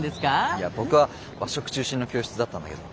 いや僕は和食中心の教室だったんだけど。